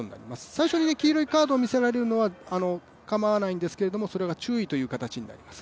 最初に黄色いカードを見せられるのはかまわないんですけれどもそれは注意という形になります。